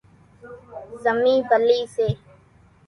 زمِي ڀلِي سي۔